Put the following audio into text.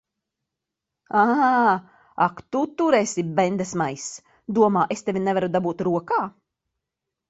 Ā! Ak tu tur esi, bendesmaiss! Domā, es tevi nevaru dabūt rokā.